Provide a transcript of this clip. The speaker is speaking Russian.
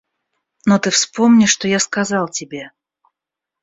Но ты вспомни, что я сказал тебе.